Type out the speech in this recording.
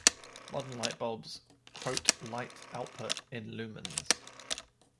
Modern lightbulbs quote light output in lumens.